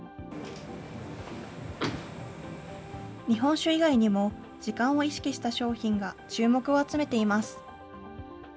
日本酒以外にも、時間を意識した商品が注目を集めています。